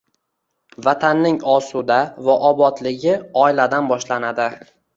Vatanning osuda va obodligi oiladan boshlanadi